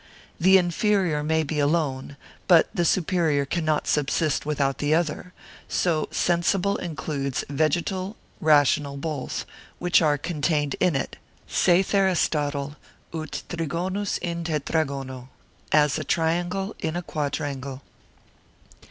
The inferior may be alone, but the superior cannot subsist without the other; so sensible includes vegetal, rational both; which are contained in it (saith Aristotle) ut trigonus in tetragono as a triangle in a quadrangle.